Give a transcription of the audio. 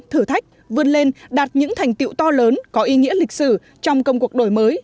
thử thách vươn lên đạt những thành tiệu to lớn có ý nghĩa lịch sử trong công cuộc đổi mới